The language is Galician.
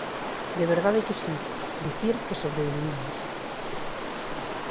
De verdade que si, dicir que sobrevivimos